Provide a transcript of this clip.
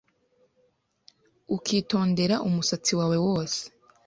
ukitondera umusatsi wawe wose